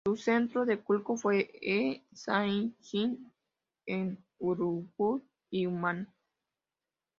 Su centro de culto fue el E-Zagin, en Uruk y Umma.